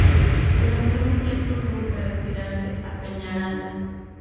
Durante un tiempo tuvo que retirarse a Peñaranda.